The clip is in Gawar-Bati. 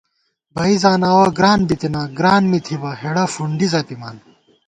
بی زاناوَہ گران بِتنہ، گران می تھِبہ، ہېڑہ فُونڈی زَپِمان